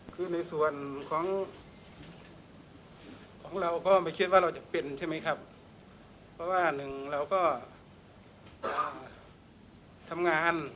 คือในส่วนของของเราก็ไม่คิดว่าเราจะเป็นใช่ไหมครับเพราะว่าหนึ่งเราก็ทำงาน